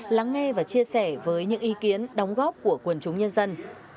lắng nghe và chia sẻ với những ý kiến đóng góp của quần chúng nhân dân